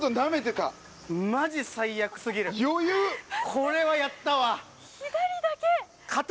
これはやったわ